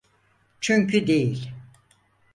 Çünkü değil.